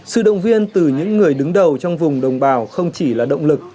sự động viên từ những người đứng đầu trong vùng đồng bào không chỉ là động lực